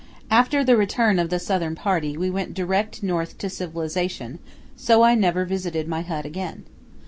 After the return of the Southern Party we went direct north to civilization, so I never visited my hut again.